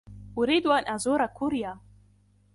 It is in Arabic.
أريد أن أزور كوريا.